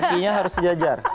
kakinya harus sejajar